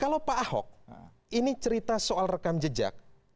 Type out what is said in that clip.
kalau pak ahok ini cerita soal rekam jejak